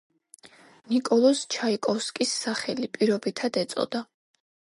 ნიკოლოზ ჩაიკოვსკის სახელი პირობითად ეწოდა.